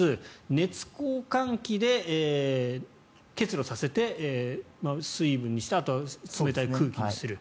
熱交換器で結露させて水分にしてあとは冷たい空気にする。